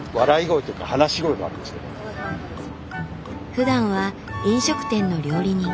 ふだんは飲食店の料理人。